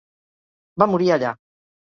Va morir allà.